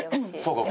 「そうか。